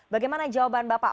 bagaimana jawaban bapak